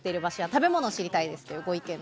食べ物が知りたいですと。